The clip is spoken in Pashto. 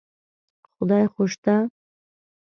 خدای خو شته.